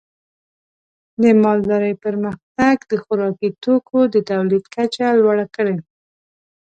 د مالدارۍ پرمختګ د خوراکي توکو د تولید کچه لوړه کړې.